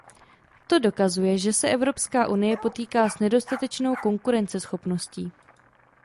To dokazuje, že se Evropská unie potýká s nedostatečnou konkurenceschopností.